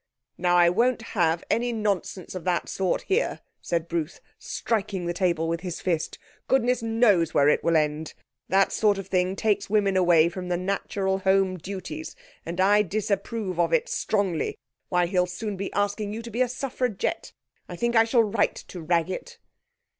'Now I won't have any nonsense of that sort here,' said Bruce, striking the table with his fist. 'Goodness knows where it will end. That sort of thing takes women away from the natural home duties, and I disapprove of it strongly. Why, he'll soon be asking you to be a Suffragette! I think I shall write to Raggett.'